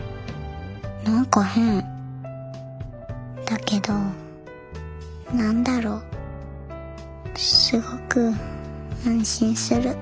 だけど何だろうすごく安心する。